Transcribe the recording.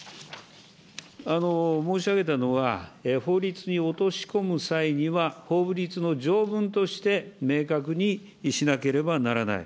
申し上げたのは、法律に落とし込む際には、法律の条文として明確にしなければならない。